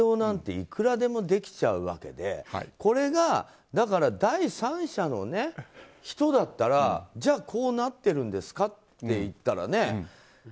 いくらでもできちゃうわけでこれが、第三者の人だったらじゃあこうなってるんですかっていったらね。